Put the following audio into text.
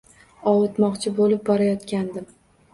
Ovutmoqchi bo`lib borayotgandim